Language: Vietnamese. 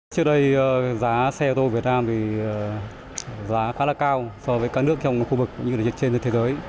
trước đây giá xe ô tô việt nam thì giá khá là cao so với các nước trong khu vực cũng như trên thế giới